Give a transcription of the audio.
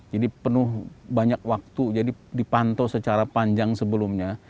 jadi penuh banyak waktu jadi dipantau secara panjang sebelumnya